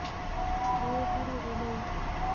هو، هره اونۍ